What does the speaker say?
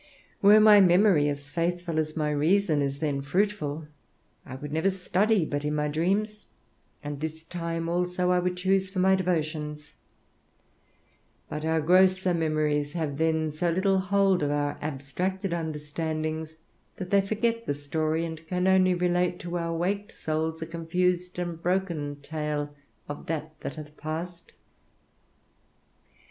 Were my memory as faithful as my reason is then fruitful, I would never study but in my dreams, and this time also would I choose for my devotions; but our grosser memories have then so little hold of our abstracted understandings that they forget the story, and can only relate to our awaked souls a confused and broken tale of that that hath passed.